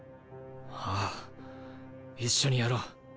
あぁ一緒にやろう！